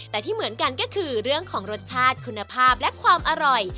แต่ที่เหมือนกันก็คือเรื่องของรสชาติคุณภาพและความอร่อย